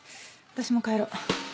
私も帰ろう。